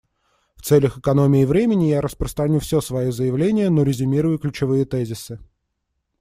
В целях экономии времени я распространю все свое заявление, но резюмирую ключевые тезисы.